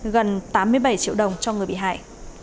gần tám mươi bảy triệu đồng cho người bị hại